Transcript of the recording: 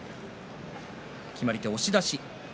決まり手は押し出し。